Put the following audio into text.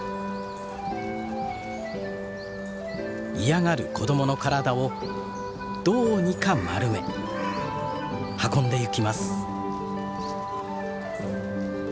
嫌がる子供の体をどうにか丸め運んでゆきます。